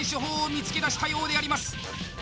見つけ出したようであります